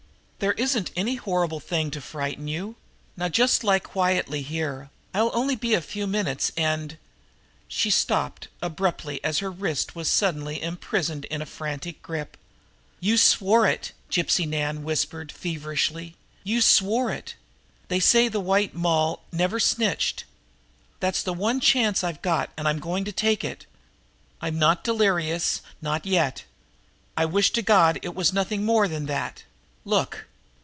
There isn't any horrible thing to frighten you. Now you just lie quietly here. I'll only be a few minutes, and " She stopped abruptly as her wrists were suddenly imprisoned in a frantic grip. "You swore it!" Gypsy Nan was whispering feverishly. "You swore it! They say the White Moll never snitched. That's the one chance I've got, and I'm going to take it. I'm not delirious not yet. I wish to God it was nothing more than that! Look!"